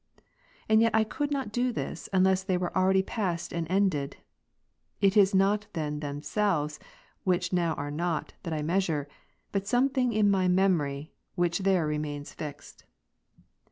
And yet I could not do this, unless they ,1' were already past and ended. It is not then themselves, \[ which now are not, that I measure, but something in my <' memory, which there remains fixed.